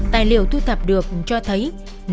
tài liệu thu thập được cho thành nam